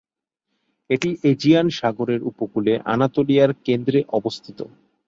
এটি এজিয়ান সাগরের উপকূলে আনাতোলিয়ার কেন্দ্রে অবস্থিত।